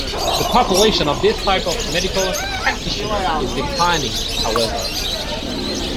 The population of this type of medical practitioner is declining, however.